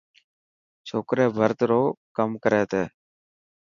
ڇوڪري ڀرت رو ڪم ڪري تي.